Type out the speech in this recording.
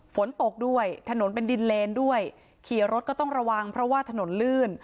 ฝนตกด้วยถนนเป็นดินเลนด้วยขี่รถก็ต้องระวังเพราะว่าถนนลื่น